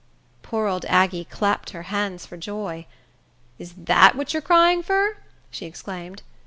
Poor old Aggie clapped her hands for joy. "Is dat what you's crying fur?" she exclaimed.